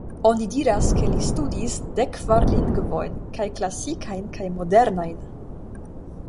Oni diras ke li studis dek kvar lingvojn, kaj klasikajn kaj modernajn.